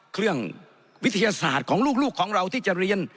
วิทยาศาสตร์ของลูกของเราที่จะเรียน